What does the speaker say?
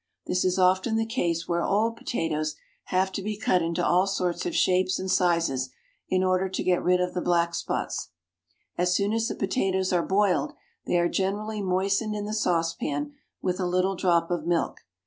This is often the case where old potatoes have to be cut into all sorts of shapes and sizes in order to get rid of the black spots. As soon as the potatoes are boiled they are generally moistened in the saucepan with a little drop of milk.